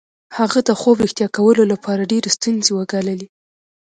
هغه د خوب رښتیا کولو لپاره ډېرې ستونزې وګاللې